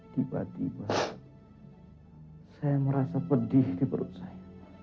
tiba tiba saya merasa pedih di perut saya